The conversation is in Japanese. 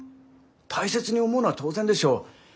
大切に思うのは当然でしょう。